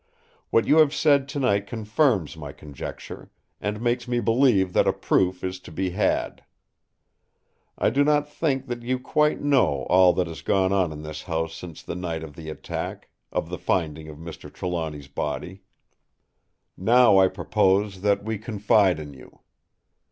What you have said tonight confirms my conjecture, and makes me believe that a proof is to be had. I do not think that you quite know all that has gone on in this house since the night of the attack—of the finding of Mr. Trelawny's body. Now I propose that we confide in you.